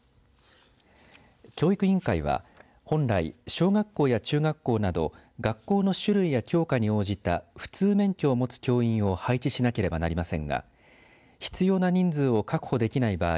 教育委員会は本来小学校や中学校など学校の種類や教科に応じた普通免許を持つ教員を配置しなければなりませんが必要な人数を確保できない場合